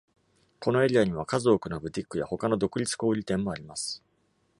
このエリアには、数多くのブティックや他の独立小売店もあります。